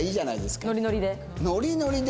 ノリノリで？